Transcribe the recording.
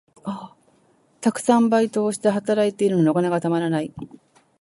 たくさんバイトをして、働いているのにお金がたまらない。